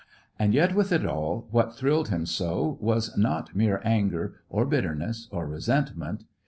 And yet, with it all, what thrilled him so was not mere anger, or bitterness, or resentment.